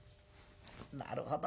なるほど。